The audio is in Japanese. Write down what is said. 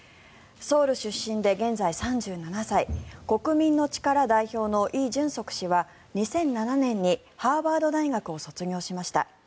ソウル出身で現在３７歳国民の力代表のイ・ジュンソク代表は２００７年、ハーバード大学を卒業しました。